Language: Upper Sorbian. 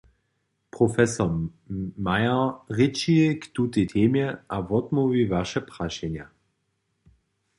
Prof. Meyer rěči k tutej temje a wotmołwi waše prašenja.